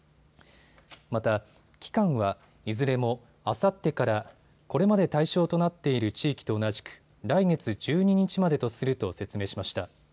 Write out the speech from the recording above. また、期間はいずれもあさってからこれまで対象となっている地域と同じく来月１２日までとすると説明しました。